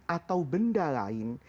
atau benda lain